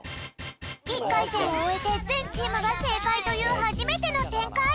１かいせんをおえてぜんチームがせいかいというはじめてのてんかい！